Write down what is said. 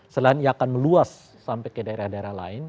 selain ia akan meluas sampai ke daerah daerah lain